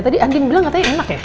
tadi andin bilang katanya enak ya